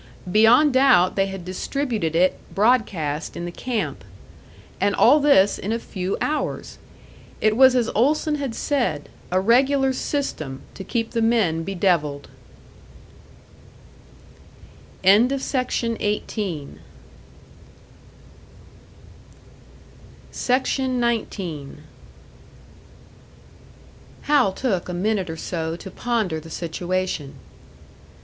Beyond doubt they had distributed it broadcast in the camp. And all this in a few hours! It was as Olson had said a regular system to keep the men bedevilled. SECTION 19. Hal took a minute or so to ponder the situation.